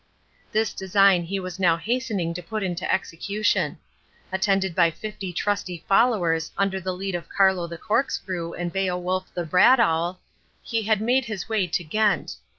This design he was now hastening to put into execution. Attended by fifty trusty followers under the lead of Carlo the Corkscrew and Beowulf the Bradawl, he had made his way to Ghent.